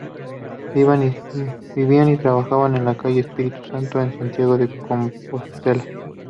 Vivían y trabajaban en la calle Espíritu Santo, en Santiago de Compostela.